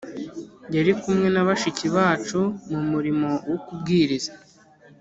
yari kumwe na bashiki bacu mu murimo wo kubwiriza